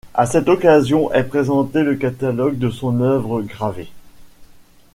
À cette occasion est présenté le catalogue de son œuvre gravé.